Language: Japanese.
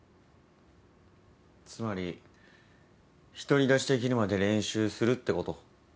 つまり独り立ちできるまで練習するってこと？